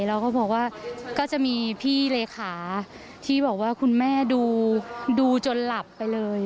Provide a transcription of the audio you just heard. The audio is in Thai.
เราก็บอกว่าก็จะมีพี่เลขาที่บอกว่าคุณแม่ดูจนหลับไปเลย